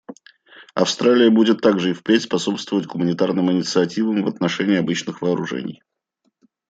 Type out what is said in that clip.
Австралия будет также и впредь способствовать гуманитарным инициативам в отношении обычных вооружений.